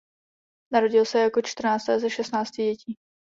Narodil se jako čtrnácté ze šestnácti dětí.